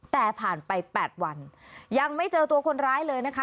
แต่ผ่านไป๘วันยังไม่เจอตัวคนร้ายเลยนะคะ